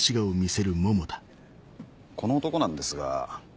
この男なんですが。